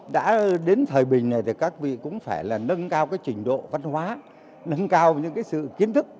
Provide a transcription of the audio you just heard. đã đến thời bình này thì các vị cũng phải là nâng cao trình độ văn hóa nâng cao những sự kiến thức